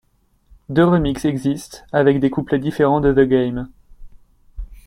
Deux remixes existent, avec des couplets différents de The Game.